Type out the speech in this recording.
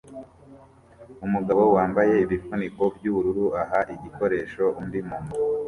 Umugabo wambaye ibifuniko byubururu aha igikoresho undi muntu